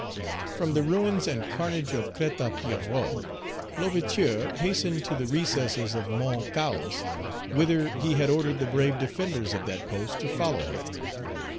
From the ruins and carnage of Crête à Pierrot, L'Ouverture hastened to the recesses of Mount Cahos, whither he had ordered the brave defenders of that post to follow him.